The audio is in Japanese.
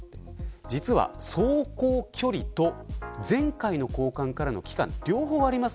実は走行距離と前回の交換からの期間両方あります。